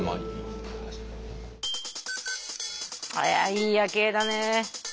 いい夜景だね。